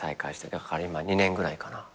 だから今２年ぐらいかな。